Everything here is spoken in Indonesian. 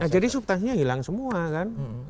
nah jadi subtansinya hilang semua kan